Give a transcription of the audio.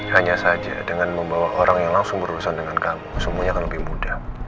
hanya saja dengan membawa orang yang langsung berurusan dengan kamu semuanya akan lebih mudah